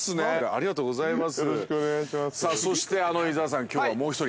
◆ありがとうございます。